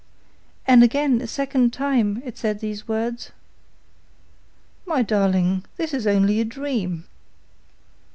and again a second time it said these words.' 'My darling, this is only a dream.